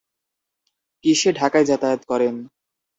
কিসে ঢাকায় যাতায়াত করেন?